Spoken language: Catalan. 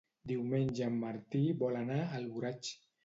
Diumenge en Martí vol anar a Alboraig.